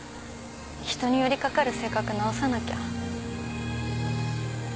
人に寄り掛かる性格直さなきゃ。